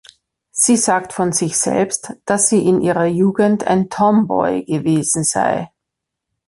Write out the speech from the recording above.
Sie sagt von sich selbst, dass sie in ihrer Jugend ein "Tomboy" gewesen sei.